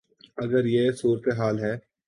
اگر یہ صورتحال ہے۔